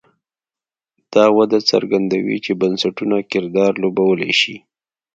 دا وده څرګندوي چې بنسټونه کردار لوبولی شي.